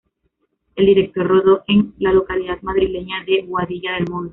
El director rodó en la localidad madrileña de Boadilla del Monte.